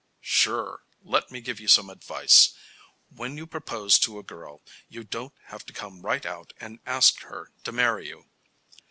"Sure! Let me give you some advice. When you propose to a girl, you don't have to come right out and ask her to marry you."